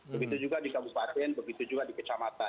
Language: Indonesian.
begitu juga di kabupaten begitu juga di kecamatan